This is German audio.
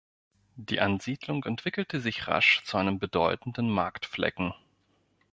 Die Ansiedlung entwickelte sich rasch zu einem bedeutenden Marktflecken.